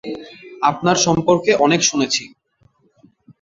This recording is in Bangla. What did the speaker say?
আপনার সম্পর্কে অনেক শুনেছি।